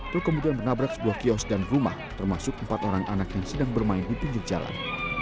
truk kemudian menabrak sebuah kios dan rumah termasuk empat orang anak yang sedang bermain di pinggir jalan